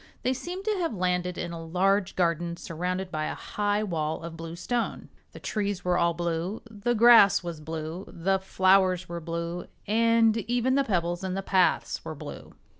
They seemed to have landed in a large garden, surrounded by a high wall of blue stone. The trees were all blue, the grass was blue, the flowers were blue and even the pebbles in the paths were blue.